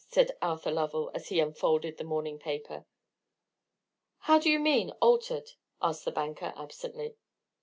said Arthur Lovell, as he unfolded the morning paper. "How do you mean altered?" asked the banker, absently.